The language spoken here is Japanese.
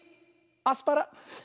アスパラ。